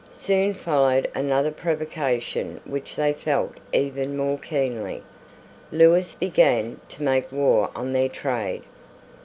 Soon followed another provocation which they felt even more keenly. Lewis began to make war on their trade.